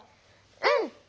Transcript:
うん！